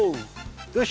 よし！